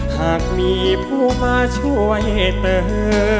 หากมีผู้มาช่วยเตอ